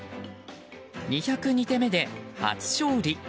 ２０２手目で初勝利。